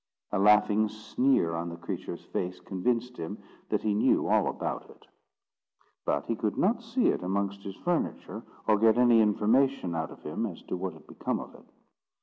A laughing sneer on the creature's face convinced him that he knew all about it; but he could not see it amongst his furniture, or get any information out of him as to what had become of it.